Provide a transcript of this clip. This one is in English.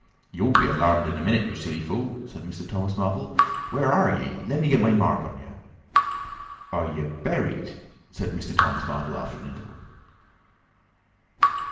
"You'll be alarmed in a minute, you silly fool," said Mr. Thomas Marvel. "Where are yer? Lemme get my mark on yer... "Are yer buried?" said Mr. Thomas Marvel, after an interval.